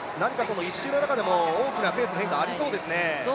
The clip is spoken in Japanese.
１周の中でも大きなペースの変化ありそうですね。